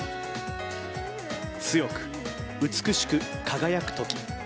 「強く、美しく、輝くとき。」